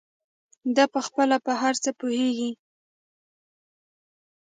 دى پخپله په هر څه پوهېږي.